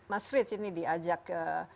mas frits ini diajak ke